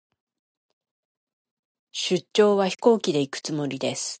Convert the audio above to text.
出張は、飛行機で行くつもりです。